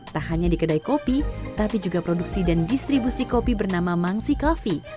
tak hanya di kedai kopi tapi juga produksi dan distribusi kopi bernama mangsi coffee